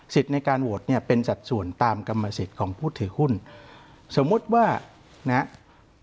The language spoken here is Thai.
ในการโหวตเนี่ยเป็นสัดส่วนตามกรรมสิทธิ์ของผู้ถือหุ้นสมมุติว่านะครับ